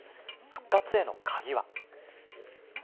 復活への鍵は。